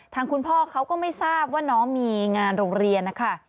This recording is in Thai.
ทางคุณพ่อเขาก็ไม่ทราบว่าน้องมีงานโรงเรียนนะคะ